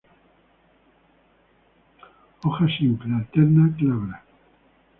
Hoja, simples, alternas, glabras.